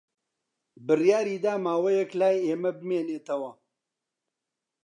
بڕیاری دا ماوەیەک لای ئێمە بمێنێتەوە.